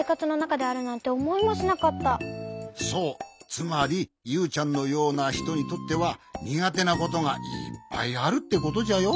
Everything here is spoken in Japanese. つまりユウちゃんのようなひとにとってはにがてなことがいっぱいあるってことじゃよ。